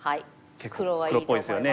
結構黒っぽいですよね。